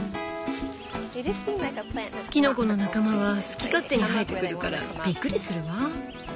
キノコの仲間は好き勝手に生えてくるからびっくりするわ。